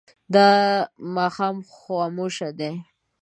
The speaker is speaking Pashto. دا ماښام خاموش دی.